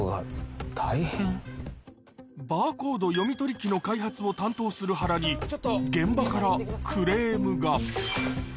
バーコード読み取り機の開発を担当する原に、現場からクレームが。